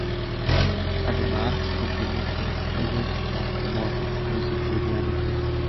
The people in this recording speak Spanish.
Además, se confirmó que "Legends of Tomorrow" no se incluiría en el cruce.